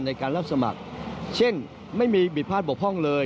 ในการรับสมัครเช่นไม่มีบิดพลาดบกพร่องเลย